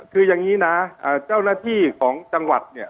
คืออย่างนี้นะเจ้าหน้าที่ของจังหวัดเนี่ย